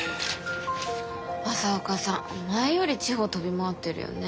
朝岡さん前より地方飛び回ってるよね。